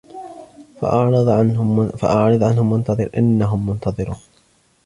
فأعرض عنهم وانتظر إنهم منتظرون